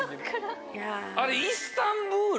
あれイスタンブール？